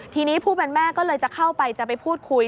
ทีนี้ผู้เป็นแม่ก็เลยจะเข้าไปจะไปพูดคุย